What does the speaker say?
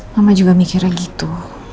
mama juga mikirnya gitu